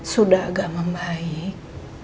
sudah agak membaik